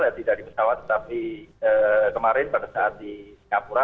tidak di pesawat tetapi kemarin pada saat di singapura